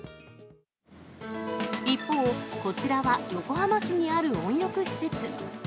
一方、こちらは横浜市にある温浴施設。